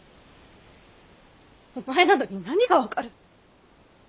お前などに何が分かる。